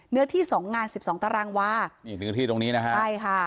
เนื้อที่๒งาน๑๒ตารางวาเนื้อที่ตรงนี้นะครับ